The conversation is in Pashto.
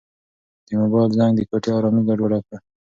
د موبایل زنګ د کوټې ارامي ګډوډه کړه.